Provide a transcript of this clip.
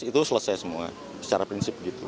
itu selesai semua secara prinsip gitu